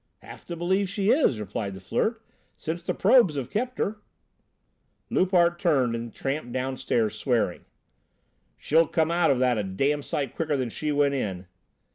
"Have to believe she is," replied the Flirt, "since the 'probes' have kept her." Loupart turned and tramped downstairs swearing. "She'll come out of that a damned sight quicker than she went in!"